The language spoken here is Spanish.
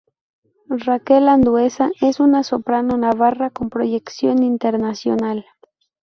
Raquel Andueza es una soprano navarra con proyección internacional.